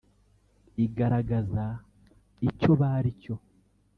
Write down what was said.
igaragaza icyo bari cyo